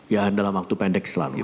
ya dalam waktu pendek selam